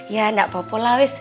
ya gak apa apa lah